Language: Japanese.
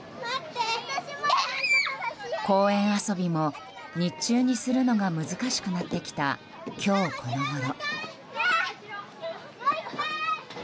公園遊びも日中にするのが難しくなってきた今日このごろ。